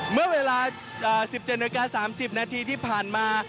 เมื่อเวลา๑๗๓๐นที่ผ่านมา